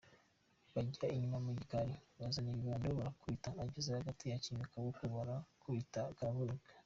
Bajya inyuma mu gikari bazana ibibando barakubita, ageze hagati akinga akaboko barakubita karavunika.